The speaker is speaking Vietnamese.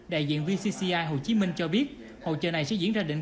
đại diện vcci hồ chí minh cho biết hội trợ này sẽ diễn ra định